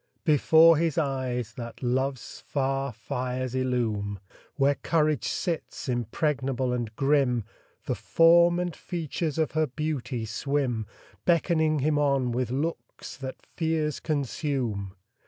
Before his eyes that love's far fires illume Where courage sits, impregnable and grim The form and features of her beauty swim, Beckoning him on with looks that fears consume.